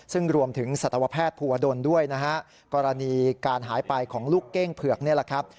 ซึ่งรวมถึงสัตวแพทย์ภูวดลด้วยนะฮะกรณีการหายไปของลูกเก้งเผือกนี่แหละครับ